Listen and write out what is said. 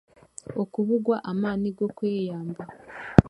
Okubugwa amaani g'okweyamba